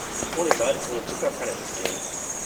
Ohne Salz, ohne Zucker kann es nicht gehen.